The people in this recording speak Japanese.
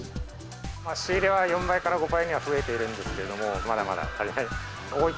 仕入れは４倍から５倍に増えてはいるんですけど、まだまだ足りない。